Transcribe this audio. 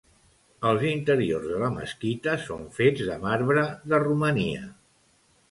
Els interiors de la mesquita són fets de marbre de Romania.